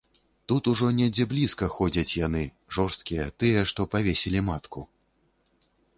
Тут ужо недзе блізка ходзяць яны, жорсткія, тыя, што павесілі матку.